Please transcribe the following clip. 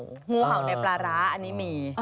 งูเห่าในปลาร้าอันนี้มี